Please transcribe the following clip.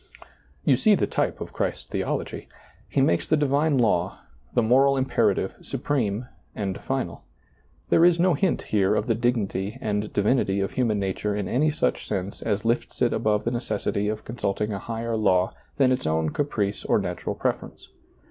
You see the type of Christ's theology. He makes the divine law, the moral imperative, supreme, and final. There is no hint here of the dignity and divinity of human nature in any such sense as lifts it above the necessity of consulting a higher law than its own caprice or natural preference.